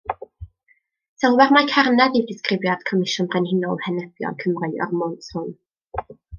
Sylwer mai carnedd yw disgrifiad Comisiwn Brenhinol Henebion Cymru o'r mwnt hwn.